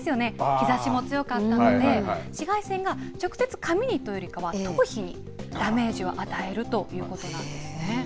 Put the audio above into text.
日ざしも強かったので、紫外線が直接、髪にというよりかは、頭皮にダメージを与えるということなんですね。